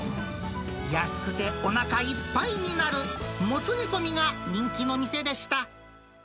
安くておなかいっぱいになる、もつ煮込みが人気の店でした。